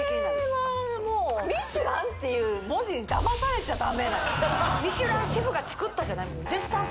はーもうミシュランっていう文字にだまされちゃダメなやつミシュランシェフが作ったじゃないもん